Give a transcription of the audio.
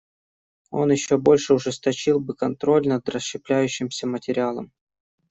Он еще больше ужесточил бы контроль над расщепляющимся материалом.